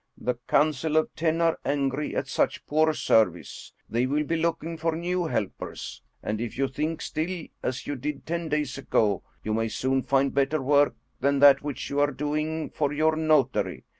The Council of Ten are angry at such poor service. They will be looking for new helpers. And if you think still as you did ten days ago, you may soon find better work than that which you are doing for your notary.